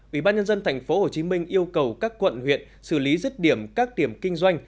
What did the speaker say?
ủy ban nhân dân tp hcm yêu cầu các quận huyện xử lý rứt điểm các điểm kinh doanh